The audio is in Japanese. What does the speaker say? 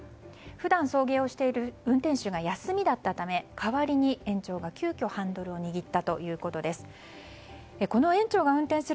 普段、送迎をしている運転手が休みだったため代わりに園長が急きょハンドルを握ったということです。